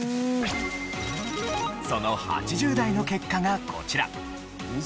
その８０代の結果がこちら。